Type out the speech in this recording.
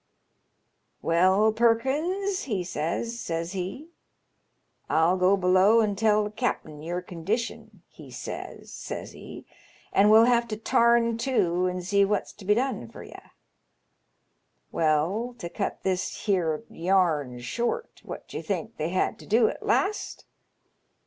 * Well, Perkins,' he says, says he, * 111 go below an' tell the capt'n yer condition,' he says, siys he, ' and we'll have to tarn to an' see what's to be done fur ye.' Well, to cut this here yam short, what do you think they had to do at last